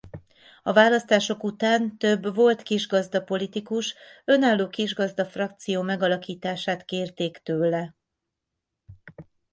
A választások után több volt kisgazda politikus önálló kisgazda frakció megalakítását kérték tőle.